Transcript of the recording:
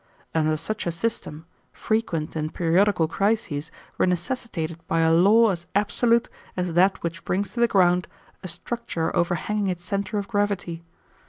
Under such a system, frequent and periodical crises were necessitated by a law as absolute as that which brings to the ground a structure overhanging its centre of gravity.